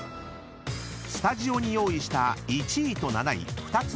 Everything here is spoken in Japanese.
［スタジオに用意した１位と７位２つの席］